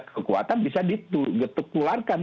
kekuatan bisa ditukularkan